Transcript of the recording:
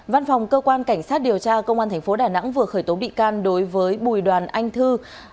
văn phòng cơ quan cảnh sát điều tra công an tp đà nẵng vừa khởi tố bị can đối với bùi đoàn anh thư